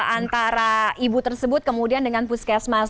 antara ibu tersebut kemudian dengan puskesmas